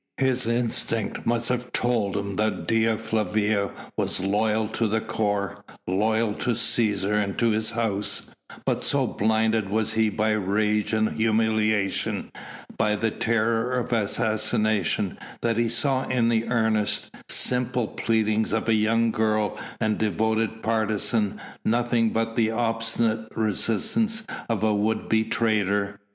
His instinct must have told him that Dea Flavia was loyal to the core, loyal to the Cæsar and to his House, but so blinded was he by rage and humiliation and by the terror of assassination, that he saw in the earnest, simple pleadings of a young girl and devoted partisan nothing but the obstinate resistance of a would be traitor.